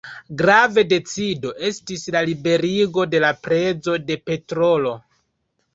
Grava decido estis la liberigo de la prezo de petrolo.